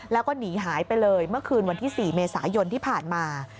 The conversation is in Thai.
แล้วก็หนีหายไปเลยเมื่อคืนวันที่๔เมษายนที่ผ่านมา